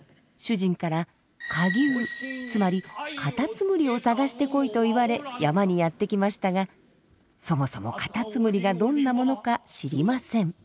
主人から蝸牛つまりカタツムリを探してこいと言われ山にやって来ましたがそもそもカタツムリがどんなものか知りません。